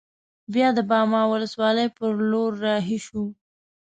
بیا د باما ولسوالۍ پر لور رهي شوو.